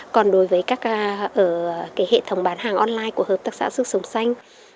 còn đối với hệ thống bán hàng online của hợp tác xã sức sống xanh